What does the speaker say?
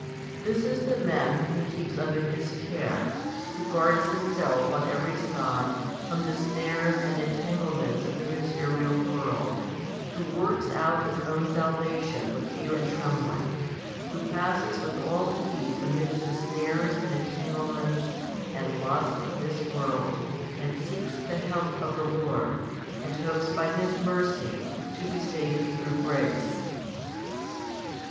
This is the man whom He keeps under His care, who guards himself on every side from the snares and entangle ments of the material world, who works out his own salvation with fear and trembling* who passes with all heed amidst the snares and entanglements and lusts of this world, and seeks the help of the Lord, and hopes by His mercy to be saved through grace.